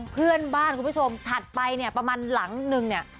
เพื่อนบ้านคุณผู้ชมถัดไปเนี่ยประมาณหลังนึงเนี่ย